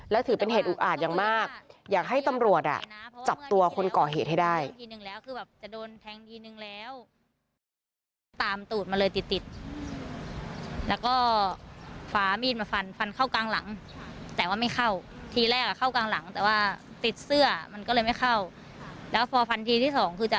แล้วถือเป็นเหตุอุกอาจอย่างมากอยากให้ตำรวจจับตัวคนก่อเหตุให้ได้